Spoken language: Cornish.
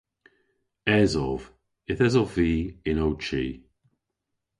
Esov. Yth esov vy yn ow chi.